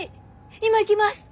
今行きます。